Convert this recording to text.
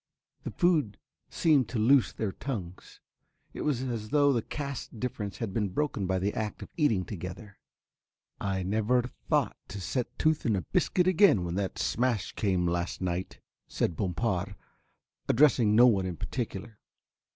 The food seemed to loose their tongues. It was as though the caste difference had been broken by the act of eating together. "I'd never thought to set tooth in a biscuit again when that smash came last night," said Bompard addressing no one in particular.